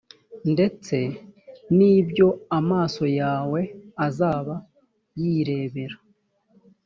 ndetse n ibyo amaso yawe azaba yirebera